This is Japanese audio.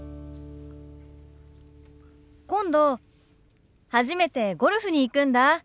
今度初めてゴルフに行くんだ。